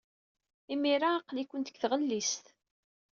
Imir-a, aql-ikent deg tɣellist.